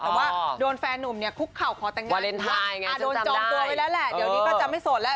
แต่ว่าโดนแฟนนุ่มเนี่ยคุกเข่าขอแต่งงานโดนจองตัวไว้แล้วแหละเดี๋ยวนี้ก็จะไม่โสดแล้ว